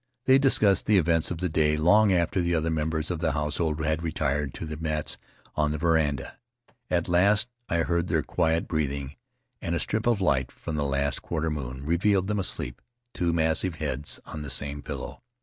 They discussed the events of the day long after the other members of the household had retired to their mats on the veranda. At last I heard their quiet breathing, and a strip of light from the last quarter moon revealed them asleep, two massive heads on the same pillow.